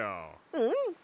うん！